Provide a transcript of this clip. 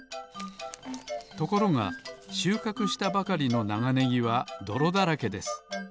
ところがしゅうかくしたばかりのながねぎはどろだらけです。